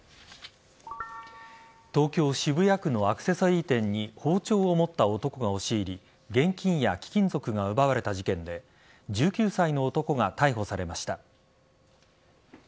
東京・渋谷区のアクセサリー店に包丁を持った男が押し入り現金や貴金属が奪われた事件で１９歳の男が逮捕されました。